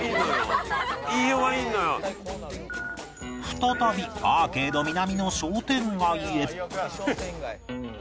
再びアーケード南の商店街へ